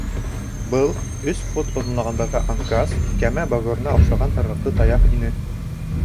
Был — өс фут оҙонлоғондағы анкас — кәмә багорына оҡшаған ырғаҡлы таяҡ ине.